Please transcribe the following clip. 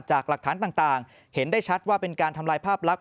จากหลักฐานต่างเห็นได้ชัดว่าเป็นการทำลายภาพลักษ